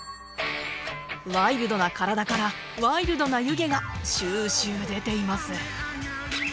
ワイルドな体からワイルドな湯気がシュシュ出ています。